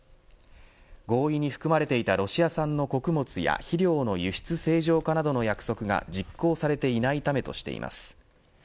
合意に含まれていた、ロシア産の穀物や肥料の輸出正常化などの約束が実行されていないためとしています。